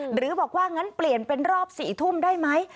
หรือบอกว่างั้นเปลี่ยนเป็นรอบ๔ทุ่มได้ไหม